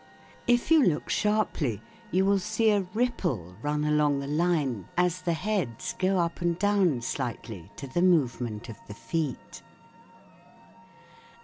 If you look sharply you will see a ripple run along the line as the heads go up and down slightly to the movement of the feet.